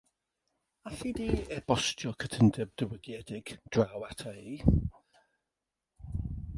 Alli di e-bostio'r cytundeb diwygiedig draw ata i